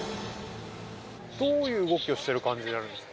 どういう動きをしてる感じになるんですか？